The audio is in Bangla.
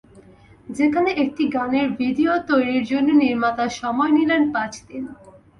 সেখানে একটি গানের ভিডিও তৈরির জন্য নির্মাতা সময় নিলেন পাঁচ দিন।